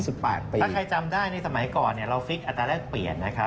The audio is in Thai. ถ้าใครจำได้ในสมัยก่อนเราฟิกอัตราแรกเปลี่ยนนะครับ